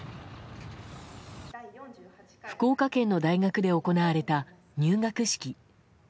福岡県の大学で行われた入学式。